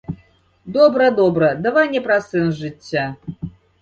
Добра, добра, давай не пра сэнс жыцця.